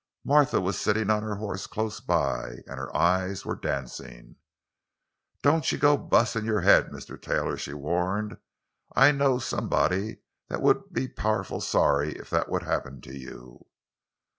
Martha was sitting on her horse close by, and her eyes were dancing. "Don' you go an' bust your haid, Mr. Taylor!" she warned. "I knows somebuddy that would be powerful sorry if that would happen to you!"